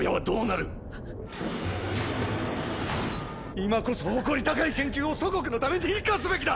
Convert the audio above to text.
今こそ誇り高い研究を祖国のために生かすべきだ！